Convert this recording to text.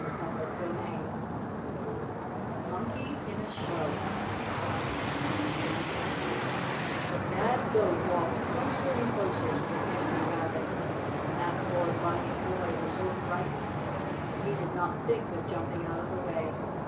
Page 106] CHAPTER X MONKEY IN A SHOW The bad Goat walked closer and closer to the Candy Rabbit. And that poor Bunny toy was so frightened that he did not think of jumping out of the way.